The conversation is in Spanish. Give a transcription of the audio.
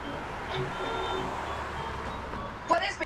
Es originaria de Yemen y Arabia Saudita.